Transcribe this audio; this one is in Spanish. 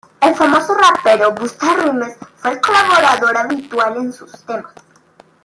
El famoso rapero Busta Rhymes fue un colaborador habitual en sus temas.